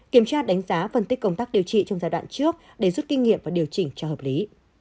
kiểm tra đánh giá phân tích công tác điều trị trong giai đoạn trước để rút kinh nghiệm và điều chỉnh cho hợp lý